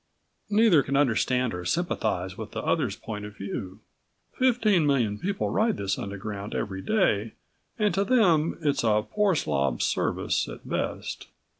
Neither can understand or sympathize with the other's point of view. Fifteen million people ride this Underground every day and to them it's a poor slob's service at best.